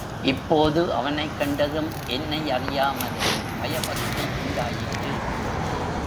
இப்போது அவனைக் கண்டதும் என்னையறியாமலே பயபக்தி உண்டாயிற்று.